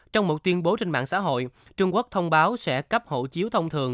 trong một tuyên bố trên mạng xã hội trung quốc thông báo sẽ cấp hộ chiếu thông thường